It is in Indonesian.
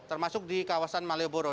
termasuk di kawasan malioboro